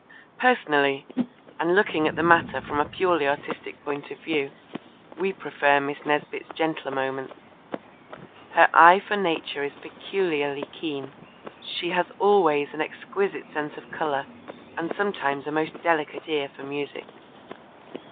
Personally, and looking at the matter from a purely artistic point of view, we prefer Miss Nesbit's gentler moments. Her eye for Nature is peculiarly keen. She has always an exquisite sense of colour and sometimes a most delicate ear for music.